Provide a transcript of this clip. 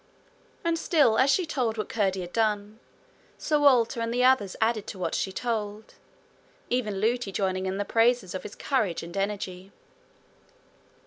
And still as she told what Curdie had done, Sir Walter and others added to what she told, even Lootie joining in the praises of his courage and energy.